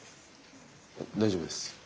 大丈夫です。